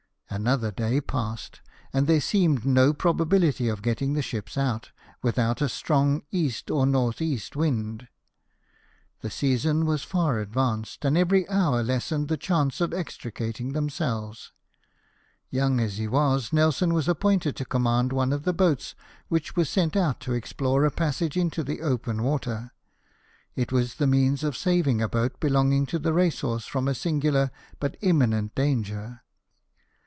Another day passed, and there seemed no probability of getting the ships out, with out a strong E. or N.E. wind. The season was far advanced, and every hour lessened the chance of extricating themselves. Young as he was, Nelson was appointed to command one of the boats which were sent out to explore a passage into the open water. It was the means of saving a boat belonging to the Racehorse from a singular but imminent danger.